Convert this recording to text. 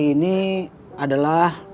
gua ing beneath ya phwhioe